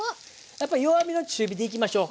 やっぱり弱火の中火でいきましょう。